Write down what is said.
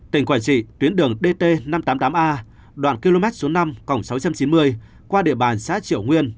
tỉnh quảng trị tuyến đường dt năm trăm tám mươi tám a đoạn km số năm cộng sáu trăm chín mươi qua địa bàn xã triệu nguyên